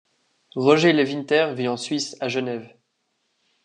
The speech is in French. Roger Lewinter vit en Suisse, à Genève.